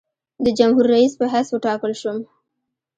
د جمهورریس په حیث وټاکل شوم.